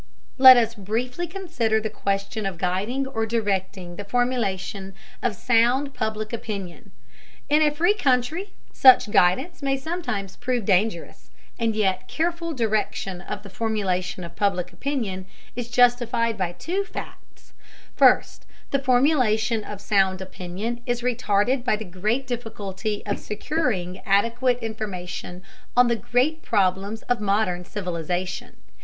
Let us briefly consider the question of guiding or directing the formulation of sound Public Opinion. In a free country, such guidance may sometimes prove dangerous, and yet careful direction of the formulation of Public Opinion is justified by two facts: First, the formulation of sound opinion is retarded by the great difficulty of securing adequate information on the great problems of modern civilization.